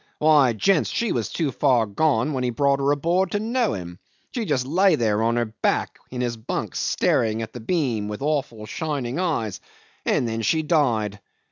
Why, gents! she was too far gone when he brought her aboard to know him; she just lay there on her back in his bunk staring at the beam with awful shining eyes and then she died.